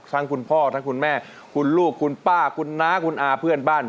คุณพ่อทั้งคุณแม่คุณลูกคุณป้าคุณน้าคุณอาเพื่อนบ้าน